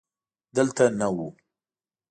دلته نه و.